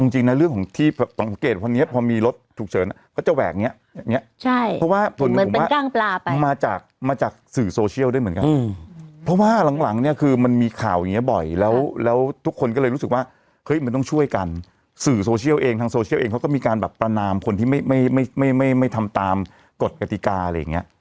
เหมือนกันเพราะว่าหลังเนี่ยคือมันมีข่าวอย่างเงี้ยบ่อยแล้วแล้วทุกคนก็เลยรู้สึกว่าเฮ้ยมันต้องช่วยกันสื่อโซเชียลเองทางโซเชียลเองเขาก็มีการแบบประนามคนที่ไม่ไม่ไม่ไม่ไม่ไม่ทำตามกฎกติกาอะไรอย่างเงี้ย